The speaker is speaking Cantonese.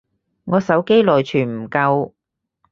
我手機內存唔夠